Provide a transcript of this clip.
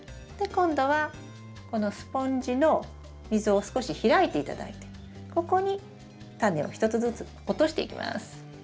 で今度はこのスポンジの溝を少し開いて頂いてここにタネを１つずつ落としていきます。